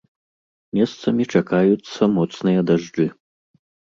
Месцамі чакаюцца моцныя дажджы.